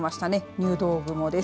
入道雲です。